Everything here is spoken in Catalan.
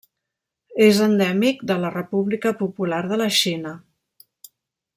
És endèmic de la República Popular de la Xina.